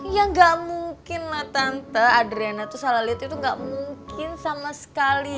ya gak mungkin lah tante adriana tuh salah liat itu gak mungkin sama sekali